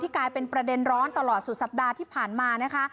กลายเป็นประเด็นร้อนตลอดสุดสัปดาห์ที่ผ่านมานะคะ